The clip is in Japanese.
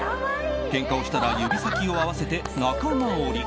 けんかをしたら指先を合わせて仲直り。